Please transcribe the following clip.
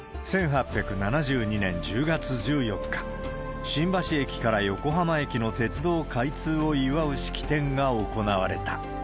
１８７２年１０月１４日、新橋駅から横浜駅の鉄道開通を祝う式典が行われた。